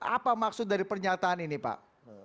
apa maksud dari pernyataan ini pak